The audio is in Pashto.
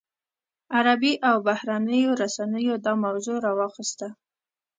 عربي او بهرنیو رسنیو دا موضوع راواخیسته.